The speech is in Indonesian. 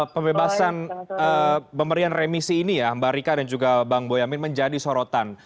pembebasan pemberian remisi ini ya mbak rika dan juga bang boyamin menjadi sorotan